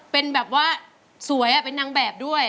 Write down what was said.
เป็นแบบว่าสวยเป็นนางแบบด้วย